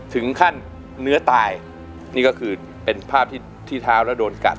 ถึงขั้นเนื้อตายนี่ก็คือเป็นภาพที่ที่เท้าแล้วโดนกัด